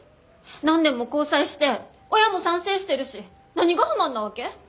何年も交際して親も賛成してるし何が不満なわけ？